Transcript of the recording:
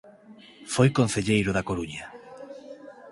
Foi concelleiro da Coruña.